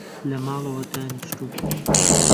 لە ماڵەوە دانیشتووم